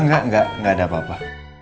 engga engga engga ada apa apa